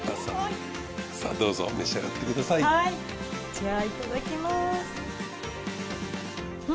じゃあいただきます。